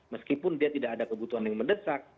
meskipun dia tidak ada kebutuhan yang mendesak